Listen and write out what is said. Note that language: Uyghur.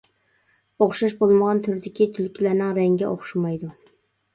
ئوخشاش بولمىغان تۈردىكى تۈلكىلەرنىڭ رەڭگى ئوخشىمايدۇ.